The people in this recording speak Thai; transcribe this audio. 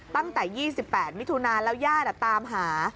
ตั้งแต่๒๘วิทยุนาแล้วย่านท์ตามหา